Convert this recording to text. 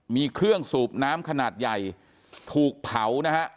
มีเครื่องสูบน้ำขนาดใหญ่ถูกเผานะฮะ